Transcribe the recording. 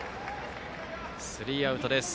スリーアウトです。